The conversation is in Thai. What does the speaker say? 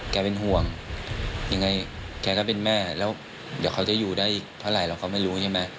เป็นห่วงยังไงแกก็เป็นแม่แล้วเดี๋ยวเขาจะอยู่ได้อีกเท่าไหร่เราก็ไม่รู้ใช่ไหม